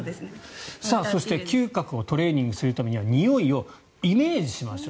そして、嗅覚をトレーニングするためにはにおいをイメージしましょう。